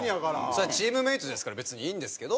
それはチームメートですから別にいいんですけど